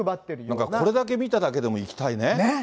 だからこれだけ見ただけでも行きたいね。